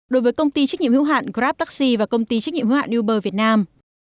đối với công ty trách nhiệm hữu hạn grabtaxi và công ty trách nhiệm hữu hạn uber việt nam